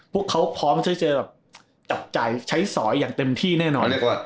พวกเขาพร้อมที่จะแบบจับจ่ายใช้สอยอย่างเต็มที่แน่นอน